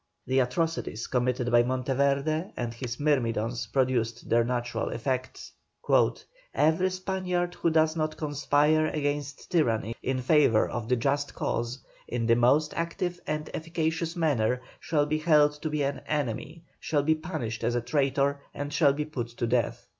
The atrocities committed by Monteverde and his myrmidons produced their natural effect. "Every Spaniard who does not conspire against tyranny in favour of the just cause, in the most active and efficacious manner, shall be held to be an enemy, shall be punished as a traitor, and shall be put to death."